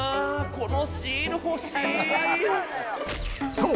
そう！